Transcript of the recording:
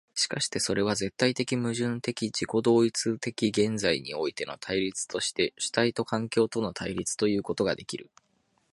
しかしてそれは絶対矛盾的自己同一的現在においての対立として主体と環境との対立ということができる。